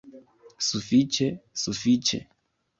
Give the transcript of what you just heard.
Sufiĉe, sufiĉe!